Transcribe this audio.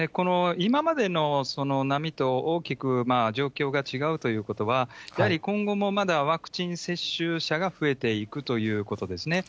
今までの波と大きく状況が違うということは、やはり今後もまだワクチン接種者が増えていくということですね。